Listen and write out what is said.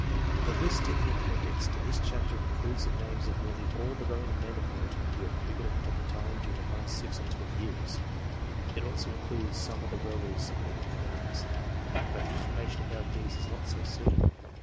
The list in the Appendix to this chapter includes the names of nearly all the rowing men of note who hav.e figured upon the Tyne during the past six and twenty years. It also includes some of the rowers on the Thames, but the information about these is not so certain.